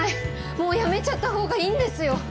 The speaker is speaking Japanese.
もう辞めちゃった方がいいんですよ！